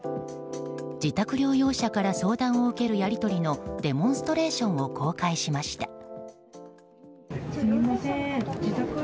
自宅療養者から相談を受けるやり取りのデモンストレーションを公開しました。